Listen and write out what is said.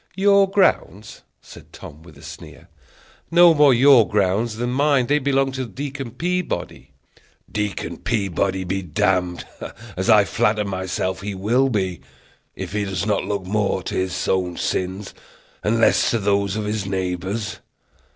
"Your grounds!" said Tom, with a sneer; "no more your grounds than mine; they belong to Deacon Peabody." "Deacon Peabody be damned," said the stranger, "as I flatter myself he will be, if he does not look more to his own sins and less to those of his neighbors.